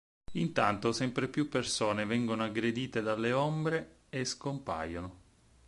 Intanto sempre più persone vengono aggredite dalle Ombre e scompaiono.